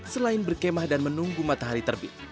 selain berkemah dan menunggu matahari terbit